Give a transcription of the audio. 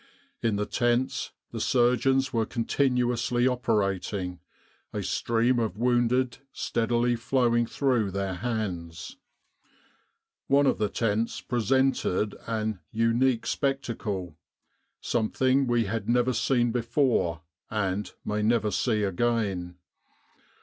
In the tents the surgeons were continuously operating, a stream of wounded steadily flowing through their hands. One of the tents presented an unique spectacle something we had never seen be fore and may never see again.